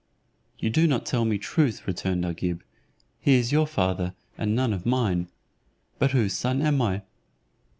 "You do not tell me truth," returned Agib; "he is your father, and none of mine. But whose son am I?"